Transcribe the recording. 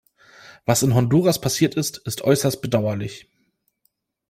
Was in Honduras passiert ist, ist äußerst bedauerlich!